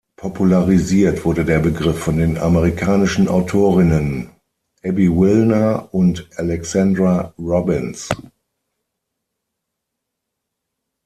Popularisiert wurde der Begriff von den amerikanischen Autorinnen Abby Wilner und Alexandra Robbins.